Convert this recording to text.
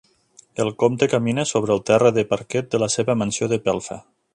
El comte camina sobre el terra de parquet de la seva mansió de pelfa.